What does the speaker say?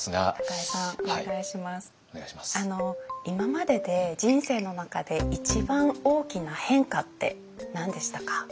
今までで人生の中で一番大きな変化って何でしたか？